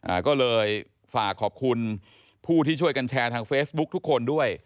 อ่าก็เลยฝากขอบคุณผู้ที่ช่วยกันแชร์ทางเฟซบุ๊คทุกคนด้วย